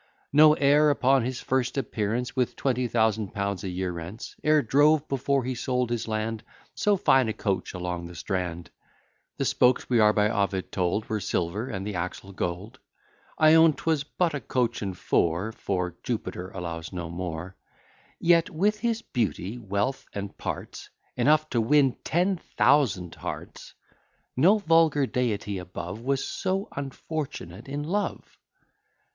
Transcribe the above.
No heir upon his first appearance, With twenty thousand pounds a year rents, E'er drove, before he sold his land, So fine a coach along the Strand; The spokes, we are by Ovid told, Were silver, and the axle gold: I own, 'twas but a coach and four, For Jupiter allows no more. Yet, with his beauty, wealth, and parts, Enough to win ten thousand hearts, No vulgar deity above Was so unfortunate in love.